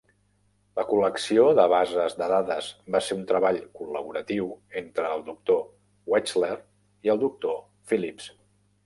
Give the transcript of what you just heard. La col·lecció de bases de dades va ser un treball col·laboratiu entre el doctor Wechsler i el doctor Phillips.